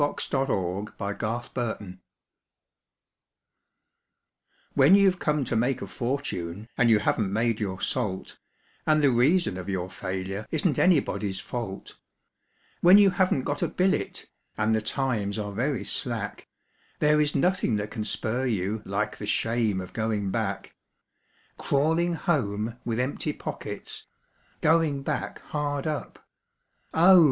The Shame of Going Back When you've come to make a fortune and you haven't made your salt, And the reason of your failure isn't anybody's fault When you haven't got a billet, and the times are very slack, There is nothing that can spur you like the shame of going back; Crawling home with empty pockets, Going back hard up; Oh!